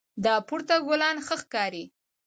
دا پورته ګلان ښه ښکاري